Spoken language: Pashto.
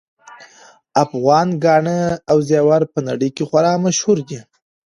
افغان ګاڼه او زیور په نړۍ کې خورا مشهور دي